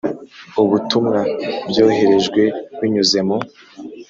Ubutumwa Byoherejwe Binyuze Mu